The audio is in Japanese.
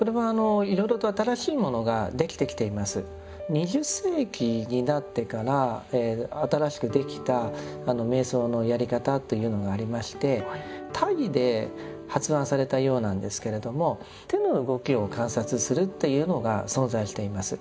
２０世紀になってから新しくできた瞑想のやり方というのがありましてタイで発案されたようなんですけれども手の動きを観察するっていうのが存在しています。